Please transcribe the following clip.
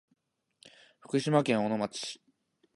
福島県小野町